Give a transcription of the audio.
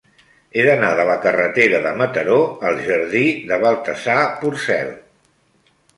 He d'anar de la carretera de Mataró al jardí de Baltasar Porcel.